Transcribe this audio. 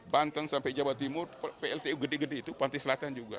banten sampai jawa timur pltu gede gede itu pantai selatan juga